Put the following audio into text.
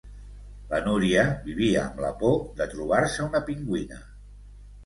La Núria vivia amb la por de trobar-se una pingüina.